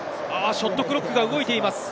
ショットクロックが動いています。